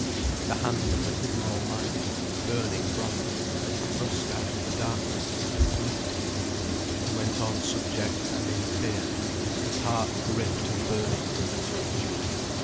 The hand of the Hidden Almighty, burning bright, had thrust out of the darkness and gripped him. He went on subject and in fear, his heart gripped and burning from the touch.